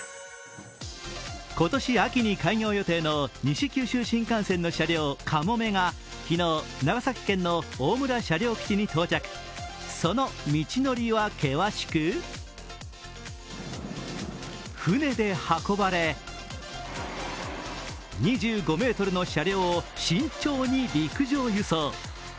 今年秋に開業予定の西九州新幹線の車両かもめが昨日、長崎県の大村車両基地に到着その道のりは険しく、船で運ばれ、２５ｍの車両を慎重に陸上輸送。